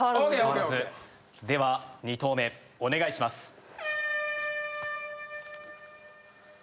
では２投目お願いします。